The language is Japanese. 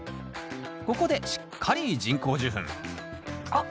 ここでしっかり人工授粉あっ。